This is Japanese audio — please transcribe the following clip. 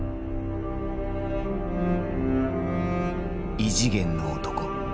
異次元の男。